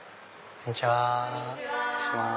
こんにちは。